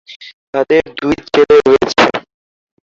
তাদের দুই ছেলে রয়েছে।